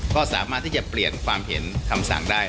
ก็สามารถที่จะเปลี่ยนความเห็นคำสั่งได้